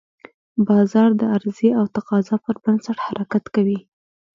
بازار د عرضې او تقاضا پر بنسټ حرکت کوي.